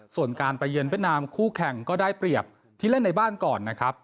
ส่วนการไปเยือนเวียดนามคู่แข่งก็ได้เปรียบที่เล่นในบ้านก่อนนะครับ